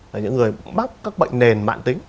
là những người bắc các bệnh nền mạn tính